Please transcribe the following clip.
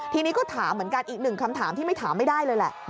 ทีนี้ก็ถามเหมือนกันอีกหนึ่งคำถามที่ไม่ถามไม่ได้เลยแหละ